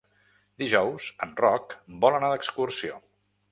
Dijous en Roc vol anar d'excursió.